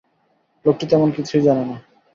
লোকটি তেমন কিছুই জানে না।